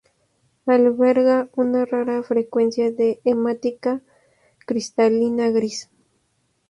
Alberga una rara frecuencia de hematita cristalina gris.